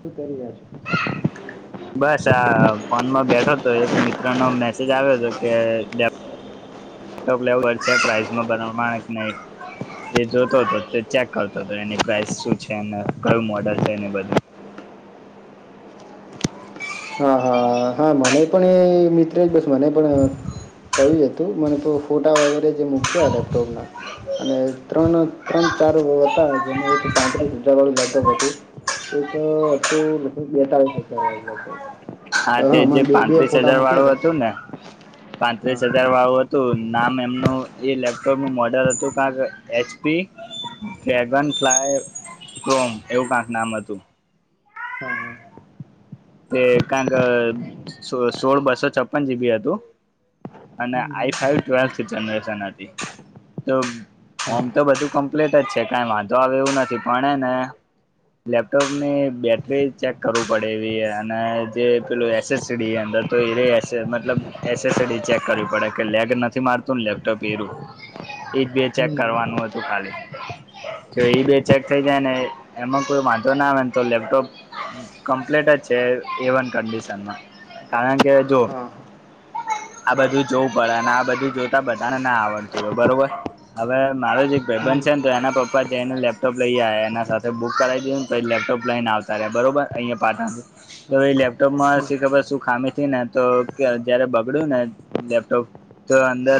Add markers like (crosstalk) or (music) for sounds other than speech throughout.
શું કરી રહા છો? બસ આ ફોનમાં બેઠો તો એક મિત્રનો મેસેજ આયો તો કે બે ટોપ લેવડ છે પ્રાઇસમાં બનાવ માં આઠ નહી તે જોતો હતો, તે ચેક કરતો હતો, એની પ્રાઇસ શું છે કયું મોડલ છે એને બધું. હા હા હા મને પણ એ મિત્ર જ બસ મને પણ અહ કયું હતું મને ફોટા તો વગેરે જે મૂક્યા લેપટોપના અને ત્રણ ત્રણ ચાર હતા જેમાં એક પાંત્રીસ હજાર વાળું લેપટોપ હતું. એક હતું લગભગ બેતાળીસ હજાર વાળુ લેપટોપ હા તે જે હમણાં બે બે પાંત્રીસ ફોટા હજાર મૂક્યા વાળું હતું ને હતા પાંત્રીસ હજાર હા વાળું હતું નામ એમનું એ લેપટોપનું મોડલ હતું કાક એચપી ડ્રેગન ફ્લાય કોમ એવું કાંક નામ હતું હા હા તે કંક સોળ બસો છપ્પન જીબી હતું અને હમ આઈ ફાઈવ ટ્વેલ્થ જનરેશન હતી તો ફમ હા તો બધું કમ્પ્લીટ જ છે કઈ વાંધો આવે એવું નથી પણ હે ને લેપટોપ ની બેટરી ચેક કરવું પડે એવી એ જે પેલું એસએસડી અંદર તો મતલબ એસએસડી ચેક કરવી પડે કે લેગ નથી મારતું લેપટોપ એરું એજ બે ચેક હમ કરવાનું હતું ખાલી જો ઈ બે ચેક થઇ જાય ને એમાં કોઈ વાંધો ના આવે ને તો લેપટોપ કમ્પલેટ જ છે. એ વન કડિશનમાં કારણ કે જો હા આ બધું જોવું પડે ને આ બધું જોતા બધાને ના આવડતું હોય બરોબર હવે મારો જે એક હમ ભાઈબંધ છે. ને તો એના પપ્પા જઈને લેપટોપ લઈ આવ એના સાથે બુકાવી દીું ને તો એ લેપટોપ લઈને આવતા રહયા બરાબર અહીંયા પાછા તો હા એ હમ લેપટોપમાં હમ શી ખબર શું ખામી હતી ને તો જયારે બગડ્યું ને લેપટોપ તો અંદર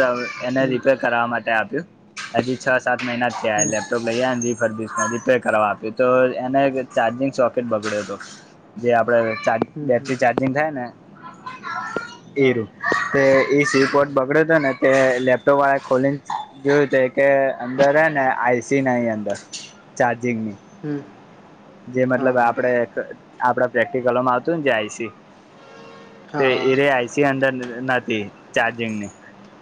એને હમ રિપેર કરવા માટે આપ્યું હજી છ સાત મહિના થયા હશે લઈ આ ને રીપેર કરવા આપ્યું તો એને એક ચાર્જિંગ સોકેટ બગડ્યો હતો જે આપડે ચાર્જ હમ હમ બેટરી ચાર્જિંગ થાય ને હા ઈઝ તે એ સીપોર્ટ બગડ્યો હતો ને તે લેપટોપ વાળા ખોલીને જોયું તું કે અંદર હે ને આઈસી ના અંદર ચાર્જિંગની હમ જે હા મતલબ હા આપડે આપડા પ્રેક્ટિકલોમાં હતું ને આઇસી હા હા ઈરે આઈસી અંદર નથી ચાર્જિંગની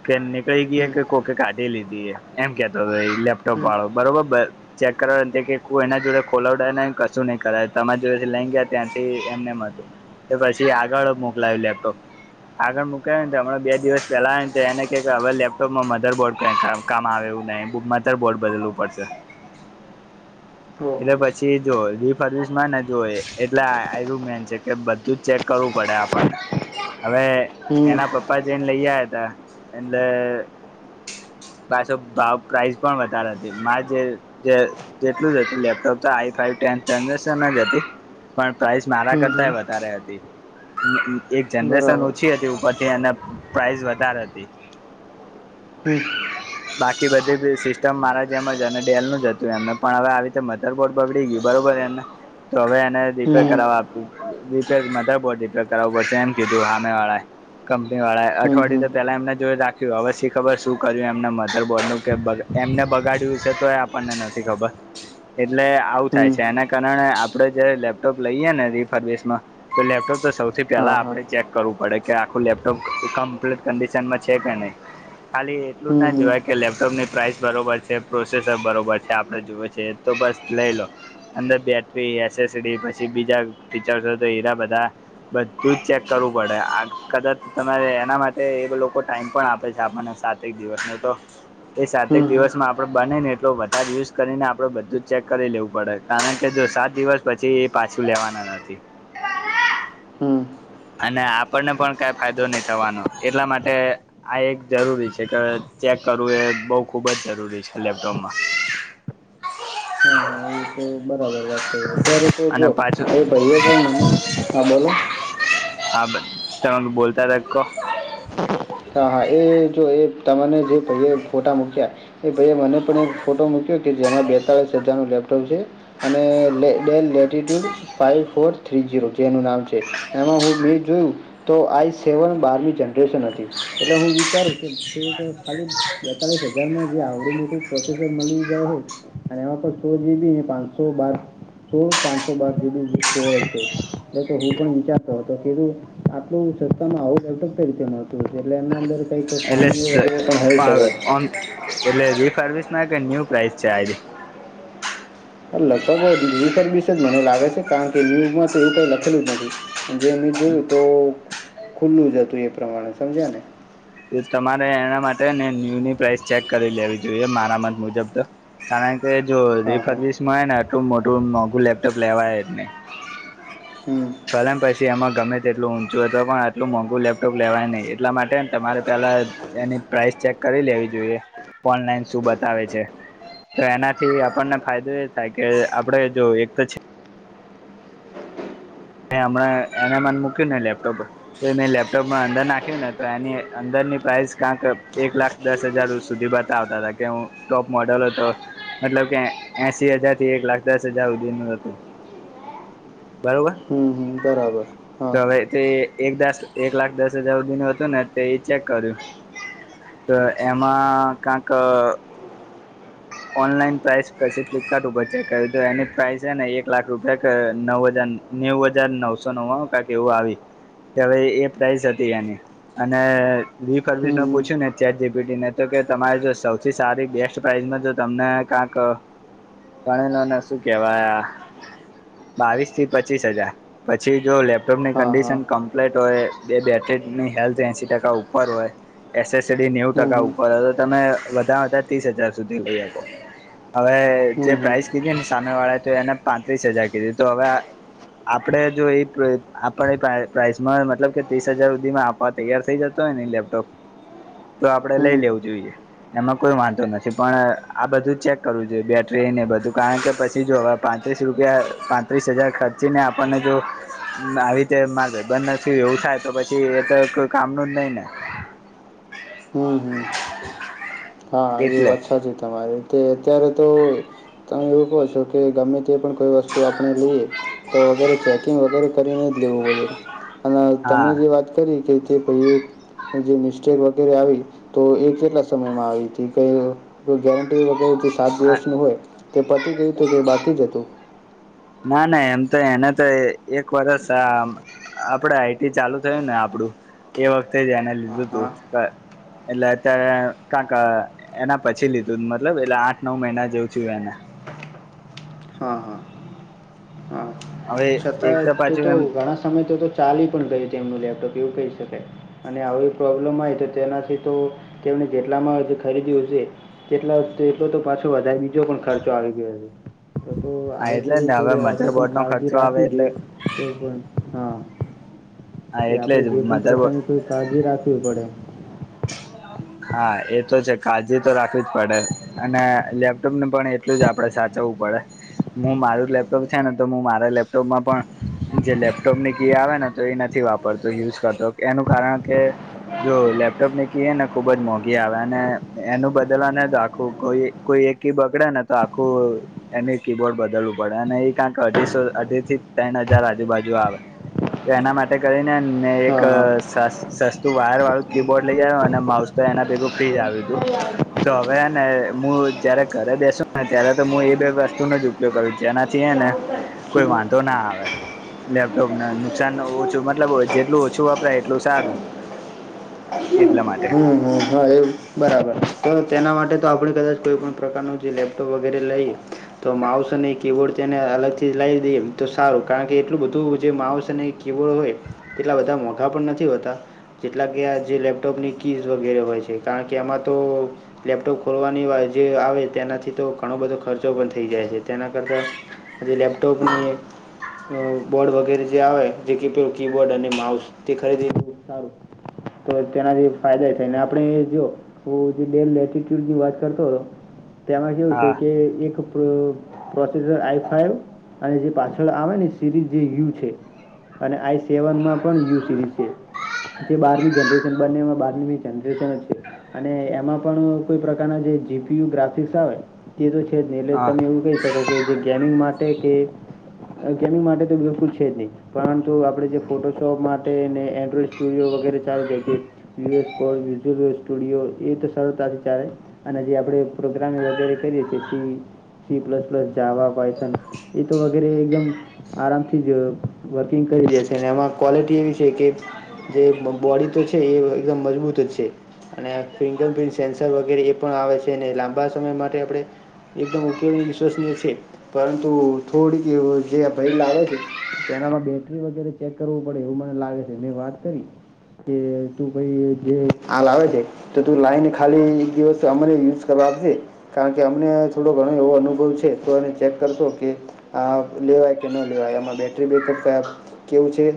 કે નીકળી ગઈ હમ કે કોકે કાઢી લીધી એ એમ કેતો હતો લેપટોપ હમ વાળો બરોબર ચેક કરવાનું કે કોઈ એના જોડે ખોલાવાનું ને કશું નહી કરાય તમારી જોડે લઈ ગયા ત્યાંથી એમ નેમ હતું પછી આગળ મોકલાવું લેપટોપ આગળ મૂકાય ને હમણાં બે દિવસ પેલા આવે ને તો એને ક કે હવે લેપટોપમાં મધરબોર્ડ કામ આવે એવું નહીં મધરેબોર્ડ બદલવું પડશે ઓહો. એટલે પછી જો રીસર્વિસ માં ને જો એટલે આયરુમેન છે. કે બધું જ ચેક કરવું પડે આપણને હવે હમ. એના પર પપ્પા જઇને લઈ આવ હતા એટલે પાછો ભાવ પ્રાઈઝ પણ વધારે હતી મા જે જેટલું જ હતું લેપટોપ તો આઈ ફાઈ ટેન જ હતી પણ પ્રાઈઝ મારા હમ, કરતા હમ. વધારે હતી એક જનરેશન બરાબર. ઓછી હતી ઉપર કે અને પ્રાઈઝ વધારે હતી હમ બાકી બધી સિસ્ટમ મારા જેમ જ અને ડેલ નું જ હતું એમને પણ હવે આવી રીતે મધરબોડ બગડી ગયું બરોબર અમને તો હવે એને રીપેર હમ. કરાવવા રીપેર મધરબોર્ડ રિપેર કરાવવું પડશે એમ કીધું સામે વાળા કંપની વાળા હમ, હમ. અઠવાડિયું પેહલા એમને જોઈ રાખે હવે ખબર શી કર્યું એમના મધર બોર્ડ નું કે એમને બગાડ્યું છે. તો એ આપણને નથી ખબર એટલે આવું થાય હમ. છે. એના કારણે આપડે જે લેપટોપ લઈએ ને રીસર્વિસ માં તો લેપટોપ તો સૌથી હા, પહેલા હા. આપણે ચેક કરવું પડે કે આખું લેપટોપ કમ્પ્લીટ કન્ડિશનમાં છે. કે નહી ખાલી એટલું જ હમ, ના હમ. હમ, જોવાય કે લેપટોપ ની પ્રાઇસ બરોબર છે. પ્રોસેસર બરોબર છે આપણે જોવે છે. એ તો બસ લઈ લો. અંદર બેટરી એસેસરીઝ પછી બીજા ફીચર્સ તો હીરા બધા બધું જ ચેક કરવું પડે આ કદાચ તમારે એના માટે એ લોકો ટાઈમ પણ આપે છે. આપણને સાત કાંઇ દિવસ ન તો એ સાતેક હમ. દિવસમાં આપણ બનેને એટલો વધારે યુઝ કરીને આપણે બધું જ ચેક કરી લેવું પડે કારણ કે જો સાત દિવસ પછી પાછું લેવાના નથી હમ. અને આપણને પણ કઈ ફાયદો નહી થવાનો એટલા માટે આ એક જરૂરી છે. કે ચેક કરવું એ બઉુ ખુબ જ જરૂરી છે. લેપટોપમાં હા, હા. એ તો બરાબર વાત થઈ અત્યારે તો જો અને પાછું ભાઈએ ભાઈ મને હા બોલો હા તમે બોલતા તા કો. હા હા એ જો એ તેમને જે ભાઈ ફોટા મૂક્યા એ ભાઈયા મને પણ એક ફોટો મૂક્યો કે જેમાં બેતાલીસ હજાર નું લેપટોપ છે. અને લે latitude five four three zero જેનું નામ છે. એમાં હું મે જોયું. તો આઈ સેવન બારની જનરેશન હતી એટલે હું વિચારું કે ખાલી બૈતાલીસ હજાર નુ જે આવળું મોટુ પજેસન મલી જાય હે. અને એમાં પણ સોડ જી બી ને પાંચસો બા. સોળ પાંચસો બાર જીબી જ જોય છે એટલે તો હું પણ વિચારતો હતો ખેડું આટલું સસ્તામાં આવું લેપટોપ કેવી રીતે મળતું હો છે એટલે એના અંદર. કઈ તો એટલે ખીઓ વગેરે પણ હઈ શકે. એટલે રીફારવિસમાં કે ન્યુ પ્રાઈસ છે આજે. લગભગ રીફર બિશન જ મને લાગે છે કારણ કે ન્યુમાં તો એવું કઈ લખેલું જ નથી. જે મેં જોયું તો ખુલ્લું જ હતું એ પ્રમાણે સમજ્યા ને. તમારે એના માટે ને ન્યુની પ્રાઇસ ચેક કરી લેવી જોઈએ મારા મત મુજબ તો કારણ. તે જો હા હા રિફરવિસ માંયને આટલું મોટું મોંઘું લેપટોપ લેવાય જ નહિ હમ ફલન પછી એમાં ગમે તેટલું ઊંચું હતુ પણ આટલું મોંઘું લેપટોપ લેવાય નહીં એટલા માટે તમારે પહેલાં. એની પ્રઇસ ચેક કરી લેવી જોઈએ ઓનલાઈન શું બતાવે છે. તો એનાથી આપણને ફાયદો એ થાય કે આપડે જો એકજ હ હમણાં એને મને મૂક્યું ને લેપટોપ. તો એને લેપટોપમાં અંદર નાખ્યું ને તો એની અંદરની પ્રાઇસ ક્યાંક એક લાખ દસ હજાર સુધી બતાવતા હતા કે હું ટોપ મોડલ હતો. મતલબ કે એ એશી હજાર થી એક લાખ દસ હજાર હુધી નું હતું. બરોબર. હમ હમ બરાબર. તો હા હવે તે એક દસ એક લાખ દસ હજાર હુધી નુ હતું ને તો એ ચેક કર્યું તો એમાં કાક. ઓનલાઈન પ્રાઇસ પછી ફ્લિપકાર્ટ ઉપર ચેક કરયુ તુ એની પ્રાઇસ હે ને એક લાખ રૂપિયા કે નવ હજાર. નેવું હજાર નવસો નવાળુ કાયક એવું આવી કે હવે એ પ્રાઇસ હતી એની અને હમ રીફરવિશમા હમ પૂછ્યું ને ચેટ જીપી ટી ને તો કે તમારી જો સવથી સારી બેસ્ટ. પ્રઇઝમાં જો તમને કાંક ગણેલો ને શું કેવાય અ. બાવીસ થી પચીસ હજાર. પછી જો લેપટોપની હા હા કન્ડિશન કમ્પ્લીટ હોય બે બેટરીની હેલ્થ એસી ટકા ઉપર હોય. એસએસડી નેઉ હમ ટકા હમ ઉપર હોય તો તમે વધા વધારે ત્રીસ હજાર સુધી લઈ હકો. હવે જે હમ હમ પ્રાઇસ કીધી ને સામે વાળા તો એને પાંત્રીસ હજાર કીધી તો હવે આપડે જો એ આપણે પ્રા પ્રાઇસમાં મતલબ કે ત્રીસ હજાર હુધીમાં (inaudible) તૈયાર થઇ જતો હોય ને લેપટોપ તો આપડે હમ લઈ લેવું જોઈએ એમાં કોઈ વાંધો નથી. છે પણ આ બધું ચેક કરવું જોઈએ. બેટરીને બધું કારણ કે પછી જો હવે પાંત્રીસ રૂપિયા પા ત્રીસ હજાર ખર્ચીને આપણને જો આવી રીતે માગબંધ નથી થ એવું થાય તો પછી એ તો એક કામનું જ નહી ને. હમ હમ હા એ એટલે વાત સાચી તમારી તે અત્યારે તો તમે એવું કહો છો કે ગમે તે પણ કોઈ વસ્તુ આપણે લઈએ તો વગેરે ચેકિંગ વગેરે કરીને જ લેવું વગેરે અને તમે હા જે વાત કરી કે કે પ જે મિસ્ટેક વગેરે આવી તો એ કેટલા સમયમાં આવી હતી? કંઈ ગેરંટી વગેરે જે સાત દિવસનું હોય તે પતી ગયું હતું કે બાકી જ હતું? ના ના એમ તો એને તો એક વરષ-' આપડે આઈટી ચાલુ થયું ને, આપડું એ વખતે જ એને હા, લીધું તું હા. એટલે અત્યારે કાક એના પછી લીધું મતલબ એટલે આઠ નવ મહિના જેવું થયુ એને. હા હા હા. હવે એક છતાં તો પાછું તો એમ ઘણા સમય તો તો ચાલી પણ ગય ત એમનું લેપટોપ એવું કહી શકાય. અને આવી પ્રોબ્લેમ આવે તો તેનાથી તો તેમણે જેટલામાંજ ખરીદ્યુંશે? કેટલા તો એટલો તો પાછો વધારે બીજો પણ ખર્ચો આવી ગયો તો હા આવી એટલે રીતે જ તો ને હવે થોડી આપણે પણ મધરબોર્ડ નો કાળજી ખર્ચો રા આવે એટલે કોઈ પણ હા હા એ એટલે આપડે જ જે પણ મધરબોર્ડ પ્રકારની કોઈ કાળજી રાખવી પડે. હા એ તો છે કાળજી તો રાખવી જ પડે. અને લેપટોપને પણ એટલું જ આપડે સાચવવું પડે. હું મારું લેપટોપ છે ને તો હું મારા લેપટોપમાં પણ જે લેપટોપ ની કી આવે ને તો એનાથી વાપર પડ યુઝ કરતો એનું કારણ કે જો લેપટોપને કી યેને ખુબ જ મોંઘી આવે, અને એનું બદલવા ને તો આખું, કોઈ કોઈ એક બગડે ને તો આખું એને કીબોર્ડ બદલવું પડે અને એ કાંક અઢીસો અઢી થી ત્રણ હજાર આજુબાજુ આવે. તો એના માટે કરીને મેં એક હા હા સસ્તું વાયર વાળું કીબોર્ડ લઈ આવ્યો અને માઉસ તો એના ભેગું ફ્રીજ આવ્યું તું. તો હવે ને હું જયારે ઘરે બેસુ ને ત્યારે તો હું એ બે વસ્તુનો જ ઉપયોગ ઉપયોગ કરુ જેનાથી એને કોઈ શું વાંધો ના આવે. લેપટોપ ના કહે? નુકસાન ન ઓછું મતલબ જેટલું ઓછું વપરાય એટલું સારું. એટલા માટે હમ. હ હા એવું બરાબર. તો તેના માટે તો આપણે કદાચ કોઈ પણ પ્રકારનું જે લેપટોપ વગેરે લઈએ. તો માઉસ અને કીબોર્ડ તે એને અલગથી લાવી દઈએ તો સારું કારણ કે એટલું બધું જે માઉસ સે ને હી કીબોર્ડ હોય એટલા બધા મોઘા પણ નથી હોતા. જેટલા કે આ જે લેપટોપની કીઝ વગેરે હોય છે કારણ કે એમાં લેપટોપ ખોલવાની વા જે આવે તેનાથી તો ઘણો બધો ખર્ચો પણ થઈ જાય છે તેના કરતાં લેપટોપની બોર્ડ વગેરે જે આવે જે કેે કીબોર્ડ અને માઉસ. તે ખરીદીએ તો સારું તો તેનાથી ફાયદા એ થાયને આપણે એ જો હ જે ડેલ લેટિટ્યૂડની વાત કરતો હતો તેમાં કેવું છે હા કે એક પ્રોસેસર આઈ ફાઈવ અને જે પાછળ આવે ને સિરીઝ જે યુ છે. અને આઈસી સેવનમાં પણ યુ સિરીઝ છે જે બારમી જનરેશન બંનેમાં બારમીમી જનરેશન જ છે. અને એમાં પણ કોઈ પ્રકારના જે જી પી યુ ગ્રાફિક્સ આવે. એ તો છે જ નહી એટલે હ તમે એવું કહી શકો કે જે ગેમિંગ માટે કે ગેમિંગ માટે તો બિલકુલ છે જ નહી. પરંતુ આપડે જે ફોટોશોપ માટે ને એન્ડ્રોઈડ સ્ટુડિયો વગેરે ચાલી જાય છે. (unintelligible) સ્ટુડિયો એ તો સરળતાથી ચાલે અને જે આપડે પ્રોગ્રામ વગેરે કરીએ જેથી સી પ્લસ પ્લસ જાવા કોયથન એ તો વગેરે એકદમ આરામથી જ વર્કિંગ કરી દે છે ને એમાં ક્વલિટી એવી છે કે જે બોડી તો છે એ એકદમ મજબૂત છે. અને ફિંગર પ્રિન્ટ સેન્સર વગેરે એ પણ આવે છે અને લાંબા સમય માટે આપડે એકદમ ઉપયોગ વિશ્વસનીય છે પરંતુ થોડીક જે ભય લાવેે છે તેનામાં બેટરી વગેરે ચેક કરવું પડે એવું મને લાગે છે મેં વાત કરી કે તું ભાઈ જે આ લાવે છે તો તું લાઈન ખાલી એક દિવસ અમારે યુઝ કરવા આપજે. કારણ કે અમને થોડો ઘણો એવો અનુભવ છે તો એને ચેક કરશો કે આ લેવાય કે ન લેવાય આમાં બેટરી બેકઅપ કયા કેવું છે.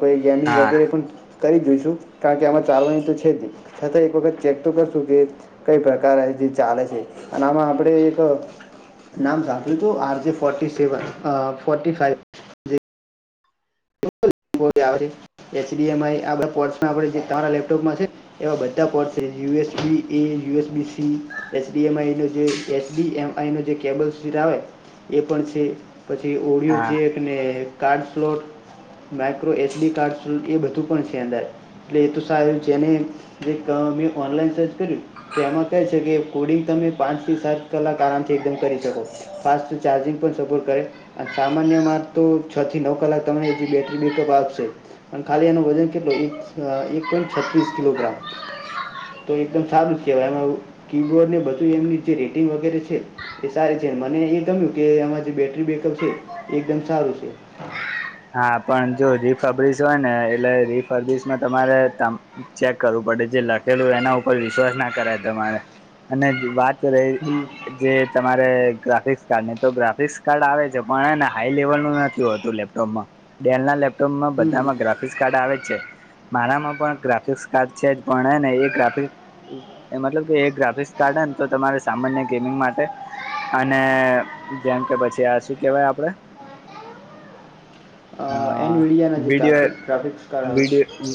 કોઈ ગેમિંગ હા વગેરે પણ કરી જોઈશું કારણ કે આમાં ચાલવાની તો છે જ ની છતાં એક વખત ચેક તો કરશું કે કઈ પ્રકાર જે ચાલે છે અને આમાં આપડે એક નામ સાંભ્યું હતું આર જેે ફોર્ટી સેવન અ ફોર્ટી ફાઈવ આવે છે એચ ડી એમ આઈ આ બધા પોચના આપડે જે તમારા લેપટોપમાં છે. એવા બધા પોર્ટ છે U S B A U S B C S D M I નો જે એસ ડી એમ આઈ નો જે કેબલ (unintelligible) આવે એ પણ છે. પછી ઓડિયો હા ચેકને card slot micro H D card એ બધું પણ છે અંદર. એટલે એ તો સારું છેને મેં ઓનલાઈન સર્ચ કર્યું. તો એમાં કહે છે કે કોડિંગ તમે પાંચ થી સાત કલાક આરામથી એકદમ કરી શકો ફાસ્ટ ચાર્જિંગ પણ સપોર્ટ કરે સામાન્ય માર તો છ થી નવ કલાક તમને હજી બેટરી બેકઅપ આપશે પણ ખાલી એનો વજન કેટલુ એક એક પોઈન્ટ છત્રીસ કિલોગ્રામ તો એકદમ સારું જ કેવાય એમાં કીબોર્ડ ને બધું એમની જે રેટિંગ વગેરે છે એ સારી છે મને એ ગમ્યું કે આમાં જે બેટરી બેકઅપ છે એ એકદમ સારું છે હા પણ જો રીફબ્રીસ હોય ને એટલે રી ફરબીસમાં તમારે તમ ચેક કરવું પડે જે લખેલું એના ઉપર વિશ્વાસ ના કરાય તમારે અને વાત હમ રેય જે તમારે ગ્રાફિક્સ કાર્ડ ની તો ગ્રાફિક્સ કાર્ડ આવે છે પણને હાઈ લેવલનું નથી હોતું લેપ ટોપમા ડેલના લેપટોપમાં હમ હમ બધામાં ગ્રાફિક્સ કાર્ડ આવે છે મારામાં પણ ગ્રાફિક્સ કાર્ડ છે જ પણ ને એ ગ્રાફિક મતલબ કે એ ગ્રાફિક્સ કાર્ડ હેને તો તમારે સામાન્ય ગેમિંગ માટે અને જેમ કે પછી આ શું કેવાય આપડે હ અ, એનવીડિયા ના જે વીડયો ગ્રાફિક ગ્રાફિક્સ કાર્ડ આવે વીડયો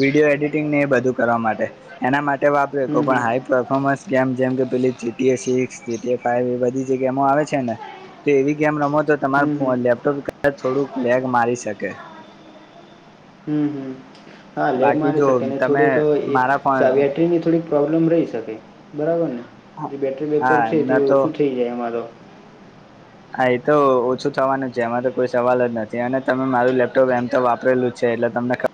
વિડીયો એડિટિંગ ને એ બધું કરવા માટે એના માટે વાપરે કો હમ પણ હમ. હારી પ્ર થોમસ ગેમ જેમ કે પેલી G T A six G T A five એ બધી જે ગેમો આવે છે ને તો એવી ગેમ રમો તો તમાર હમ હમ. લેપટોપ થોડુંક લેગ મારી શકે હમ હમ હા લેગ બાકી મારી જો શકેને તમે થોડીક મારા ફોન બેટરી ની થોડીક પ્રોબ્લેમ રહી શકે બરાબરને જે બેટરી બેકઅપ હા છે ન તે તો ઓછું થઈ જાય અમારો હા એ તો ઓછું થવાનું છે એમાં તો કોઈ સવાલ જ નથી અને તમે મારું લેપટોપ એમ તો વાપરેલું જ છે એટલે તમને ખબર